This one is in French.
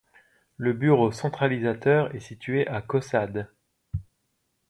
Le bureau centralisateur est situé à Caussade.